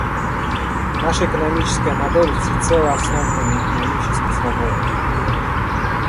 Наша экономическая модель всецело основана на экономической свободе.